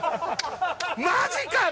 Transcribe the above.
マジか！